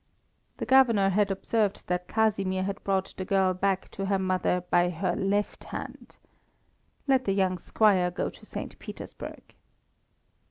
The Governor had observed that Casimir had brought the girl back to her mother by her left hand. Let the young squire go to St. Petersburg!